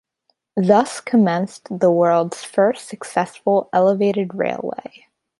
Thus commenced the world's first successful elevated railway.